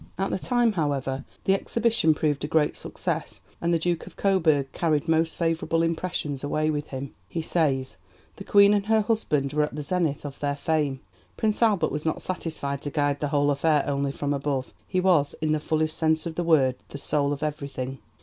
At the time, however, the Exhibition proved a great success, and the Duke of Coburg carried most favourable impressions away with him. He says: "The Queen and her husband were at the zenith of their fame. ... Prince Albert was not satisfied to guide the whole affair only from above; he was, in the fullest sense of the word, the soul of everything.